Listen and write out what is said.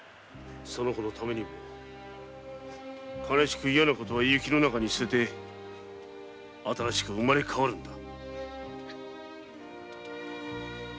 その子のためにも悲しく嫌な事は雪の中に捨てて新しく生まれ変わるのだ。